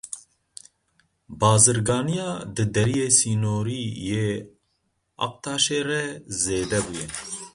Bazirganiya di Deriyê Sînorî yê Aktaşê re zêde bûye.